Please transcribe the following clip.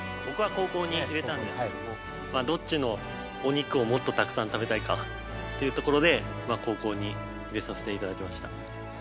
僕は後攻に入れたんですけどもまあどっちのお肉をもっとたくさん食べたいかっていうところで後攻に入れさせていただきました。